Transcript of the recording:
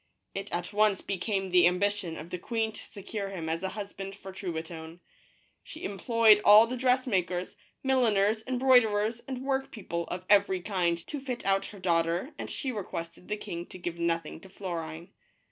It at once became the ambition of the queen to secure him as a husband for Truitonne. She em ployed all the dressmakers, milliners, embroiderers, and work people of every kind to fit out her daughter, and she requested the king to give nothing to Florine.